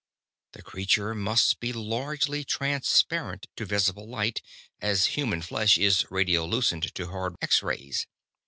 The creature must be largely transparent to visible light, as human flesh is radiolucent to hard X rays.